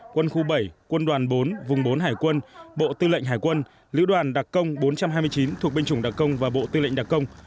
quân khu bảy quân đoàn bốn vùng bốn hải quân bộ tư lệnh hải quân lữ đoàn đặc công bốn trăm hai mươi chín thuộc binh chủng đặc công và bộ tư lệnh đặc công